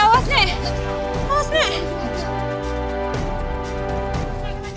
pak pak pak